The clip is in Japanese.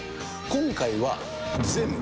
今回は全部。